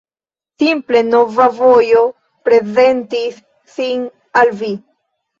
Simple, nova vojo prezentis sin al vi.